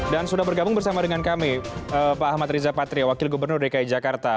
dan sudah bergabung bersama dengan kami pak ahmad riza patria wakil gubernur dki jakarta